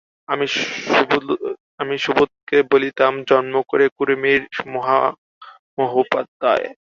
আমি সুবোধকে বলিতাম, জন্মকুঁড়ে, কুঁড়েমির মহামহোপাধ্যায়।